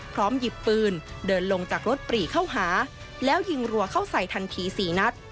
หยิบปืนเดินลงจากรถปรีเข้าหาแล้วยิงรัวเข้าใส่ทันที๔นัด